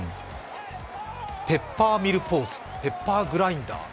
ペッパーミルポーズ、ペッパー・グラインダー。